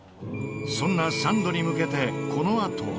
そんなサンドに向けてこのあと。